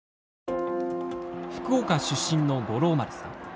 福岡出身の五郎丸さん。